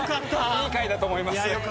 いい回だと思います。